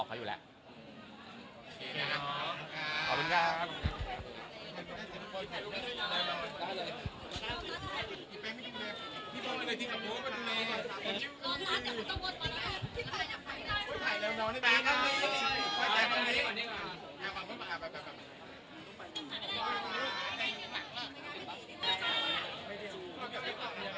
พื้นที่๙ข้างไป